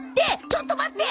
ちょっと待って！